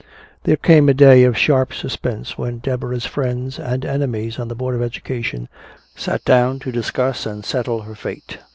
There came a day of sharp suspense when Deborah's friends and enemies on the Board of Education sat down to discuss and settle her fate.